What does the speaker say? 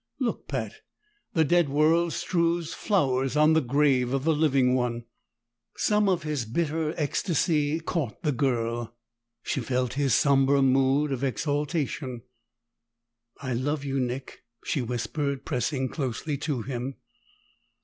"Look, Pat! The dead world strews flowers on the grave of the living one!" Some of his bitter ecstasy caught the girl; she felt his somber mood of exaltation. "I love you, Nick!" she whispered, pressing closely to him.